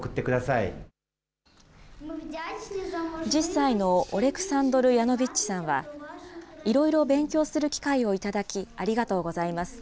１０歳のオレクサンドル・ヤノヴィッチさんは、いろいろ勉強する機会を頂き、ありがとうございます。